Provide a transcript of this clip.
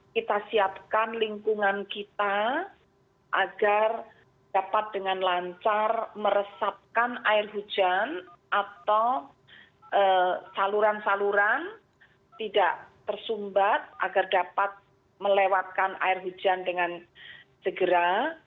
kita siapkan lingkungan kita agar dapat dengan lancar meresapkan air hujan atau saluran saluran tidak tersumbat agar dapat melewatkan air hujan dengan segera